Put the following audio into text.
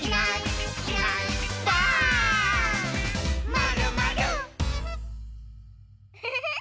「まるまる」ウフフフ！